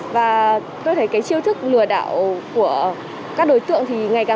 và tôi thấy cái chiêu thức lừa đảo của các đối tượng thì ngày càng